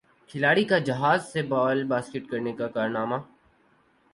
کھلاڑی کا جہاز سے بال باسکٹ کرنے کا کارنامہ